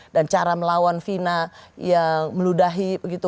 dan cara melawan fina yang meludahi begitu